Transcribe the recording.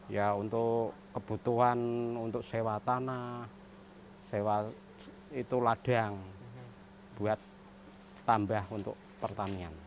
ya untuk kebutuhan untuk sewa tanah sewa itu ladang buat tambah untuk pertanian